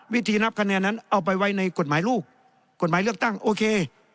วิธีนับคะแนนนั้นเอาไปไว้ในกฎหมายลูกกฎหมายเลือกตั้งโอเค